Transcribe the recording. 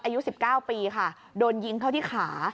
อายุ๑๙ปีค่ะโดนยิงเข้าที่ขา